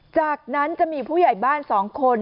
จากนั้นจะมีผู้ใหญ่บ้าน๒คน